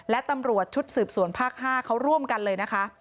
และตำรวจชุดสืบสวนภาค๕เขาร่วมกันเลยนะคะ